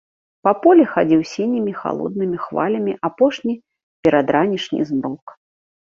Па полі хадзіў сінімі халоднымі хвалямі апошні перадранішні змрок.